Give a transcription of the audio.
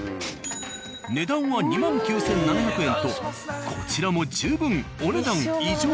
値段は２万９７００円とこちらも十分お、ねだん異常。！